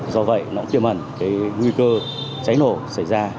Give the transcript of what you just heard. do vậy nó tiêu mẩn cái nguy cơ cháy nổ xảy ra